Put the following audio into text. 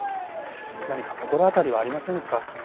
何か心当たりはありませんか？